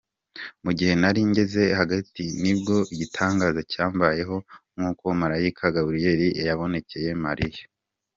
Mu gihe nari ngeze hagati, nibwo igitangaza cyambayeho, nkuko Malayika Gaburiyeli yabonekeye Mariya.